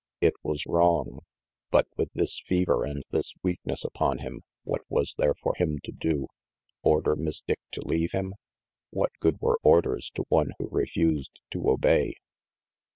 It was wrong, but with this fever and this weakness upon him, what was there for him to do? Order Miss Dick to leave him what good were orders to one who refused to obey?